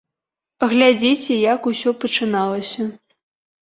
Глядзіце, як усё пачыналася.